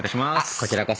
こちらこそ。